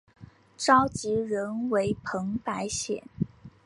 召集人为彭百显。